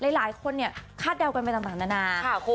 หลายคนคาดเดาไปต่างนานา